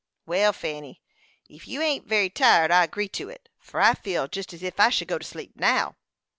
"Well, Fanny, ef you ain't very tired, I agree to it, for I feel jest as ef I should go to sleep now."